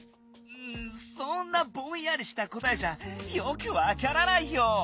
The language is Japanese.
そんなぼんやりしたこたえじゃよくわからないよ！